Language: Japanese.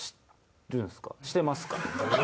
してますか？